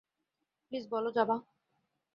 Please বলো যাবা?